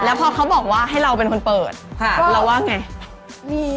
แล้วพอเขาบอกว่าให้เราเป็นคนเปิดเราว่าไง